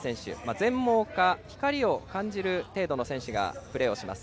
全盲か光を感じれる選手がプレーをします。